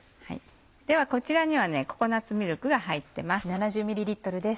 こちらにはココナッツミルクが入ってます。